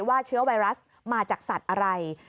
เชื้อไวรัสมาจากสัตว์อะไร